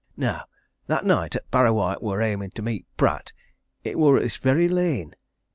Now, that night 'at Parrawhite wor aimin' to meet Pratt, it wor i' this very lane.